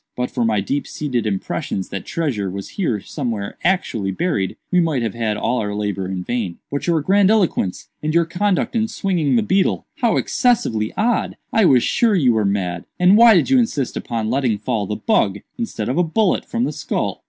But for my deep seated impressions that treasure was here somewhere actually buried, we might have had all our labor in vain." "But your grandiloquence, and your conduct in swinging the beetle—how excessively odd! I was sure you were mad. And why did you insist upon letting fall the bug, instead of a bullet, from the skull?"